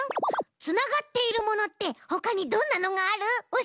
つながっているものってほかにどんなのがある？